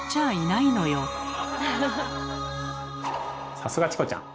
さすがチコちゃん！